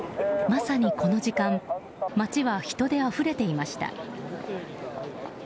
まさにこの時間街は人であふれていました。